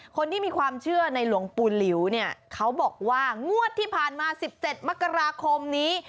คนที่มีความเชื่อในหลวงปู่หลิวเนี่ยเขาบอกว่างวดที่ผ่านมา๑๗มกราคมนี้